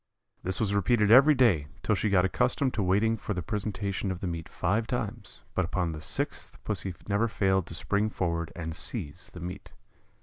This was repeated every day, till she got accustomed to waiting for the presentation of the meat five times; but upon the sixth Pussy never failed to spring forward and seize the meat.